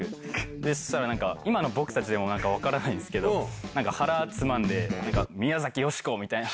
で、そしたらなんか、今の僕たちでも分からないんですけど、なんか腹つまんで、宮崎美子みたいな。